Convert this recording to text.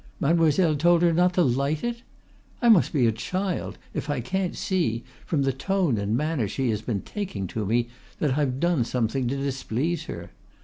Mademoiselle told her not to light it! I must be a child if I can't see, from the tone and manner she has been taking to me, that I've done something to displease her.